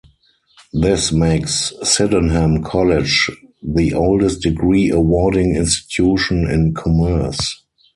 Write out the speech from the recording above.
This makes Sydenham College the oldest degree-awarding institution in commerce.